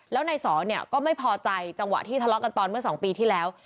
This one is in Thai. แล้วนายสอนเนี่ยก็ไม่พอใจจังหวะที่ทะเลาะกันตอนเมื่อ๒ปีที่แล้ว